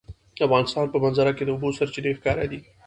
د افغانستان په منظره کې د اوبو سرچینې ښکاره ده.